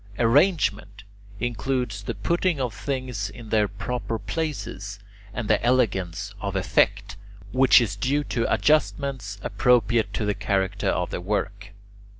Arrangement includes the putting of things in their proper places and the elegance of effect which is due to adjustments appropriate to the character of the work.